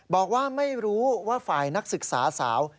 บอกว่าไม่รู้ว่าฝ่ายนักศึกษาสาว